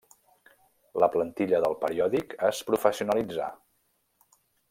La plantilla del periòdic es professionalitzà.